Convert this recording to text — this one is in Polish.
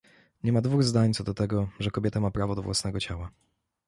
Nie ma dwóch zdań co do tego, że kobieta ma prawo do własnego ciała